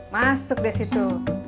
masuk dari situ